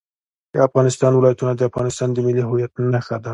د افغانستان ولايتونه د افغانستان د ملي هویت نښه ده.